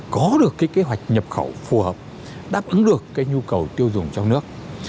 có được cái kế hoạch nhập khẩu phù hợp đáp ứng được cái nhu cầu tiêu dùng trong nước